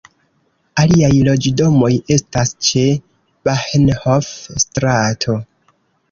Aliaj loĝdomoj estas ĉe Bahnhof-strato.